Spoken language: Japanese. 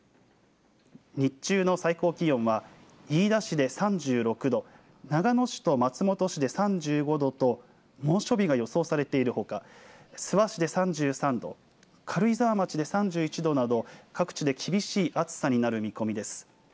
日中の最高気温は飯田市て３６度長野市と松本市で３５度と猛暑日が予想されているほか諏訪市で３３度軽井沢町で３１度など各地で厳しい暑さになる見込みです。